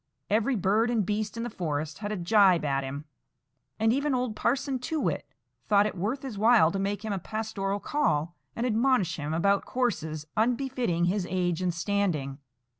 Every bird and beast in the forest had a gibe at him; and even old Parson Too Whit thought it worth his while to make him a pastoral call, and admonish him about courses unbefitting his age and standing.